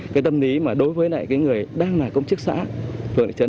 cái tâm lý mà đối với lại cái người đang là công chức xã